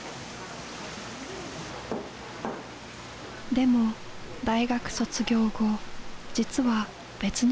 でも大学卒業後実は別の道を目指していた。